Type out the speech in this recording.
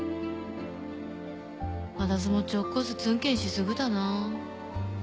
私もちょっこすツンケンしすぎたなぁ